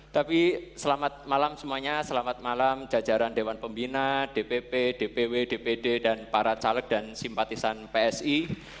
tapi selamat malam semuanya selamat malam jajaran dewan pembina dpp dpw dpd dan para caleg dan simpatisan psi